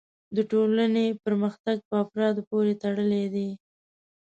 د ټولنې پرمختګ په افرادو پورې تړلی دی.